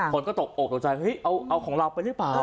คนก็ตกอกตกใจเฮ้ยเอาของเราไปหรือเปล่า